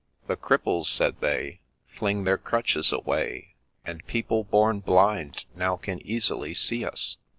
' The cripples,' said they, ' fling their crutches away, And people born blind now can easily see us